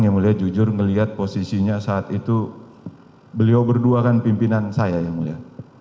yang mulia jujur melihat posisinya saat itu beliau berdua kan pimpinan saya yang mulia